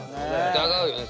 疑うよね